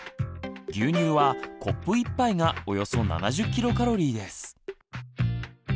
牛乳はコップ１杯がおよそ７０ｋｃａｌです。